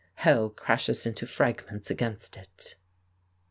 "Hell crashes into fragments against it."